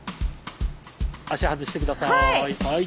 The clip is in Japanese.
足外して下さい。